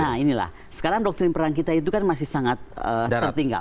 nah inilah sekarang doktrin perang kita itu kan masih sangat tertinggal